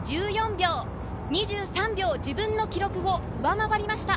２３秒、自分の記録を上回りました。